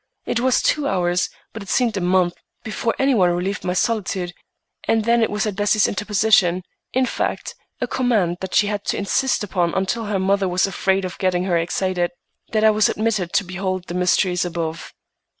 It was two hours, but it seemed a month, before any one relieved my solitude, and then it was at Bessie's interposition—in fact, a command that she had to insist upon until her mother was afraid of her getting excited—that I was admitted to behold the mysteries above.